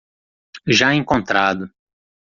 Já encontrado